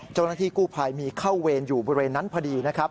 เจ้าหน้าที่กู้ภัยมีเข้าเวรอยู่บริเวณนั้นพอดีนะครับ